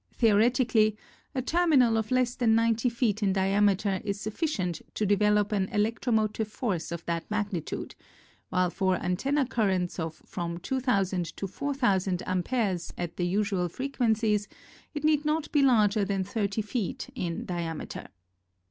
Theoretically, a terminal of less than 90 feet in diameter is sufficient to develop an electro motive force of that magnitude while for antenna currents of from 2,000 4,000 amperes at the usual fre quencies it need not be larger than 30 feet in diameter.